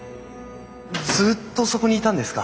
ずっとそこにいたんですか？